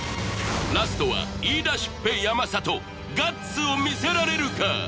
ラストは言い出しっぺガッツを見せられるか？